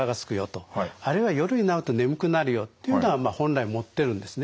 あるいは夜になると眠くなるよというのは本来持ってるんですね。